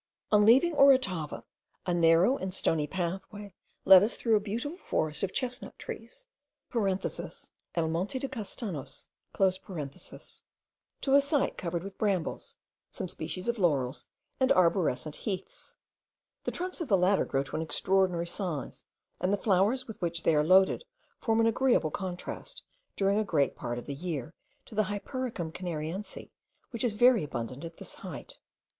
On leaving Orotava, a narrow and stony pathway led us through a beautiful forest of chestnut trees (el monte de Castanos), to a site covered with brambles, some species of laurels, and arborescent heaths. The trunks of the latter grow to an extraordinary size; and the flowers with which they are loaded form an agreeable contrast, during a great part of the year, to the Hypericum canariense, which is very abundant at this height.